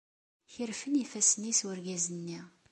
Kerfen ifassen-is urgaz-nni.